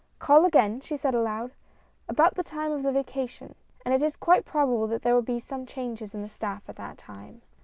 " Call again," she said aloud, " about the time of the vacation, and it is quite probable that there will be some changes in our staff at that time."